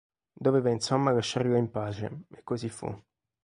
Doveva insomma lasciarlo in pace e così fu.